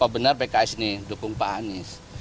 benar pks ini dukung pak anis